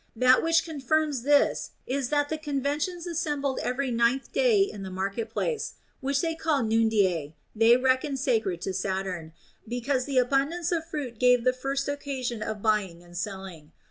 That which confirms this is that the conventions assembled every ninth day in the market place (which they call Nundinae) they reckon sacred to Saturn, because the abundance of fruit gave the first occa sion of buying and selling.